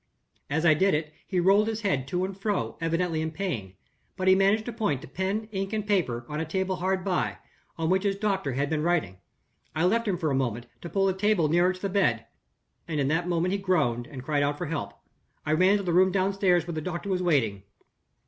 As I did it, he rolled his head to and fro, evidently in pain. But he managed to point to pen, ink, and paper, on a table hard by, on which his doctor had been writing. I left him for a moment, to pull the table nearer to the bed and in that moment he groaned, and cried out for help. I ran to the room downstairs where the doctor was waiting.